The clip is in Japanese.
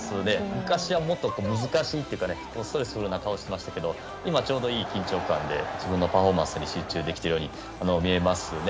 昔はもっと難しいような顔してましたけど今ちょうどいい緊張感で自分のパフォーマンスに集中できているように見えますね。